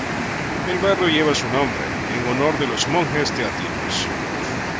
El barrio lleva su nombre en honor de los monjes teatinos.